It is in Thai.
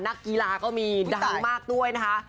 นักกีฬาก็มีดังมากด้วยนะคะ